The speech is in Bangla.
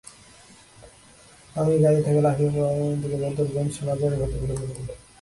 আমি গাড়ি থেকে লাফিয়ে পড়ে অন্যদিকে বদরগঞ্জ বাজারের ভেতরে ঢুকে পড়ি।